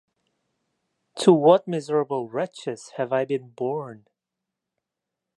To What Miserable Wretches Have I Been Born?